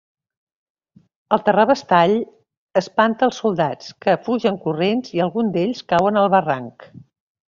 El terrabastall espanta els soldats, que fugen corrents i alguns d'ells cauen al barranc.